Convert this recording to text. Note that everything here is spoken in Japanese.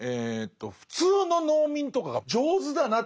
普通の農民とかが「上手だな」